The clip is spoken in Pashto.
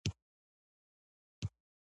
د هر چا خوی او عادت د کور تربیه ښيي.